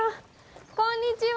こんにちは。